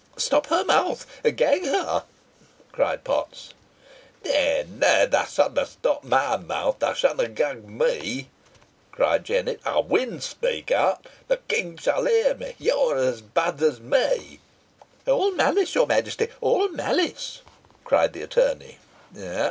"Stop her mouth gag her!" cried Potts. "Nah, nah! they shanna stap my mouth they shanna gag me," cried Jennet. "Ey win speak out. The King shan hear me. You are as bad os me." "All malice, your Majesty all malice," cried the attorney.